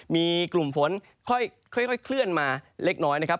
มีกลุ่มฝนค่อยเคลื่อนมาเล็กน้อยนะครับ